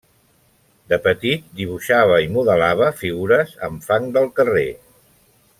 De petit dibuixava i modelava figures amb fang del carrer.